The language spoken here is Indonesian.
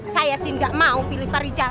saya sih gak mau pilih pak rizal